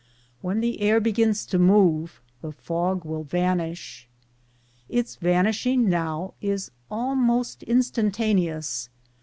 When the air begins to move the fog will vanish. Its vanishing now is almost instantaneous.